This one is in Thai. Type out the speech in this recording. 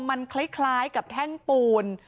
มันคล้ายกับแท่งปูน